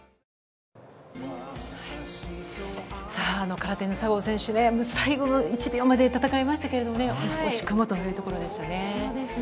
空手の佐合選手、最後の１秒まで戦いましたけれども惜しくもというところでした。